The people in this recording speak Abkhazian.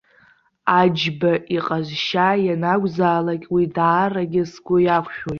Аџьба иҟазшьа, ианакәзаалак уи даарагьы сгәы иақәшәоит.